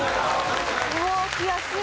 うわ悔しいな。